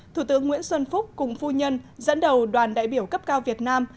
thủ tướng nguyễn xuân phúc cùng phu nhân dẫn đầu đoàn đại biểu cấp cao việt nam